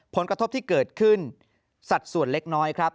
ผลกระทบที่เกิดขึ้นสัดส่วนเล็กน้อยครับ